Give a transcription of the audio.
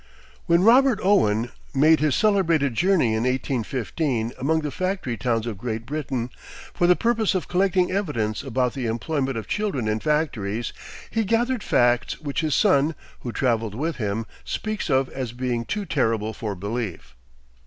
When Robert Owen made his celebrated journey in 1815 among the factory towns of Great Britain, for the purpose of collecting evidence about the employment of children in factories, he gathered facts which his son, who traveled with him, speaks of as being too terrible for belief.